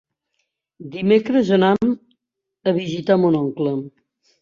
Dimecres anam a visitar mon oncle.